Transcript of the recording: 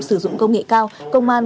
sử dụng công nghệ cao công an